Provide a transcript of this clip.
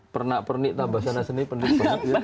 pernik pernik tambah sana seni penting banget